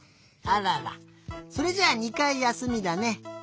あららそれじゃあ２かいやすみだね。